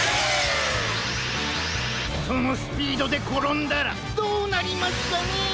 そのスピードでころんだらどうなりますかねえ。